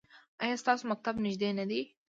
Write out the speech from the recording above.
ایا ستاسو مکتب نږدې نه دی؟